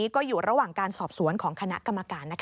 ก็อยู่ระหว่างการสอบสวนของคณะกรรมการ